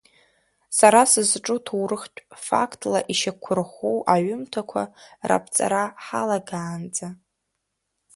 Сара сызҿу ҭоурыхтә фактла ишьақәырӷәӷәоу аҩымҭақәа раԥҵара ҳалагаанӡа.